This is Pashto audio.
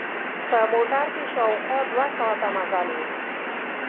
په موټر کې شاوخوا دوه ساعته مزل و.